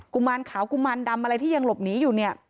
ุมารขาวกุมารดำอะไรที่ยังหลบหนีอยู่เนี่ย